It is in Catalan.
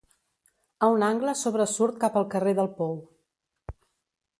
A un angle sobresurt cap al carrer del Pou.